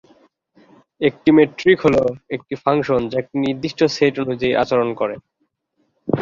একটি মেট্রিক হলো একটি ফাংশন যা একটি নির্দিষ্ট সেট অনুযায়ী আচরণ করে।